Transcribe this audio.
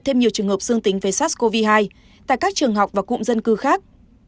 thêm nhiều trường hợp dương tính với sars cov hai tại các trường học và cụm dân cư khác